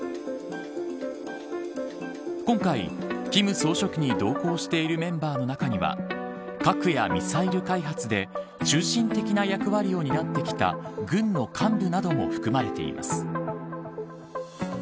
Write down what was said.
今回、金総書記に同行しているメンバーの中には核やミサイル開発で中心的な役割を担ってきた軍の幹部なども含まれています。